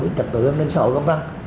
đến trật tựa trên xã hội v v